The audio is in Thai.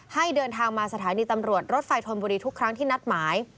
ให้เดินทางมาสถานีตำรวจรถไฟธนบุรีทุกครั้งที่นัดหมาย